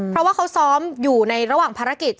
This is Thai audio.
เพราะว่าเขาซ้อมอยู่ในระหว่างภารกิจ